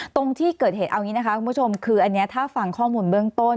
ตรงที่เกิดเหตุเอาอย่างนี้นะคะคุณผู้ชมคืออันนี้ถ้าฟังข้อมูลเบื้องต้น